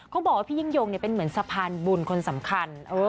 เขาบอกว่าพี่ยิ่งยงเป็นเหมือนสะพานบุญคนสำคัญ